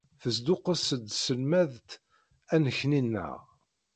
Tesduqqes-d tselmadt annekni-nneɣ.